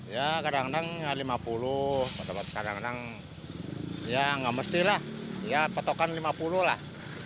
ya kadang kadang lima puluh kadang kadang ya nggak mesti lah ya potokan lima puluh lah